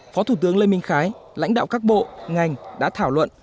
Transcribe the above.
phó thủ tướng lê minh khái lãnh đạo các bộ ngành đã thảo luận